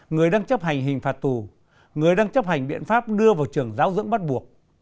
người đang chấp hành hình phạt tù người đang chấp hành biện pháp đưa vào trường giáo dưỡng bắt buộc